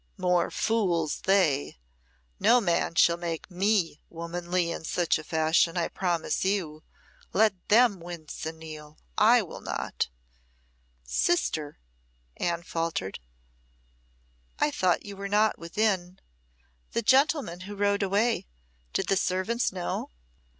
More fools they! No man shall make me womanly in such a fashion, I promise you! Let them wince and kneel; I will not." "Sister," Anne faltered, "I thought you were not within. The gentleman who rode away did the servants know?"